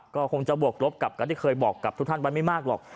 ก็คงจะบวกลบกับการที่เคยบอกกับทุกท่านไว้ไม่มากหรอก